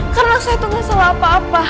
karena saya tuh gak salah apa apa